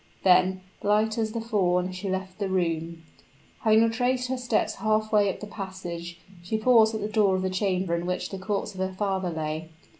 Then, light as the fawn, she left the room. Having retraced her steps half way up the passage, she paused at the door of the chamber in which the corpse of her father lay.